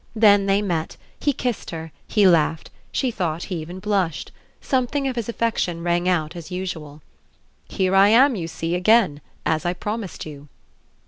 Then they met, he kissed her, he laughed, she thought he even blushed: something of his affection rang out as usual. "Here I am, you see, again as I promised you."